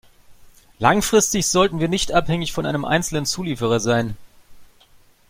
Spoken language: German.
Langfristig sollten wir nicht abhängig von einem einzelnen Zulieferer sein.